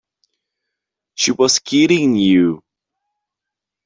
She was kidding you.